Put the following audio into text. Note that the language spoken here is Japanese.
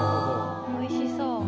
おいしそう。